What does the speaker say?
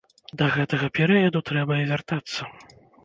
Да гэтага перыяду трэба і вяртацца.